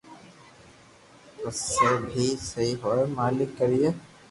پسو بي سھي ھوئي مالڪ ڪرئي